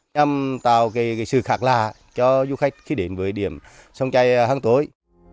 nhằm tạo sự khạc lạ cho du khách khi đến với điểm sông chai hàng tối